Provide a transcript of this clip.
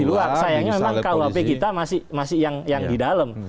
di luar sayangnya memang kuhp kita masih yang di dalam